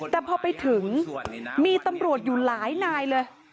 แต่พอไปถึงมีตำรวจอยู่หลายนายเลย